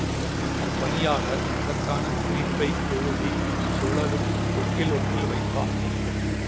அப்பணியாளர் அதற்கான குறிப்பை எழுதி, சுழலும் தொட்டில் ஒன்றில் வைப்பார்.